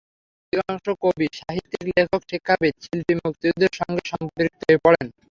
ভারতের অধিকাংশ কবি, সাহিত্যিক, লেখক, শিক্ষাবিদ, শিল্পী মুক্তিযুদ্ধের সঙ্গে সম্পৃক্ত হয়ে পড়েন।